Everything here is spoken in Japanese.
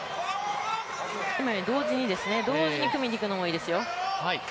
今、同時に組みにいくのもいいですよ。